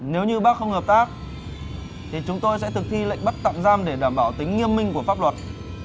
nếu như bác không hợp tác thì chúng tôi sẽ thực thi lệnh bắt tạm giam để đảm bảo tính nghiêm minh của pháp luật